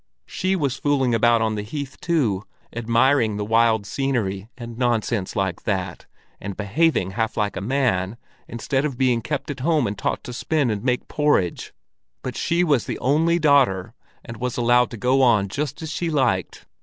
She was fooling about on the heath too, admiring the wild scenery, and nonsense like that, and behaving half like a man, instead of being kept at home and taught to spin and make porridge; but she was the only daughter, and was allowed to go on just as she liked.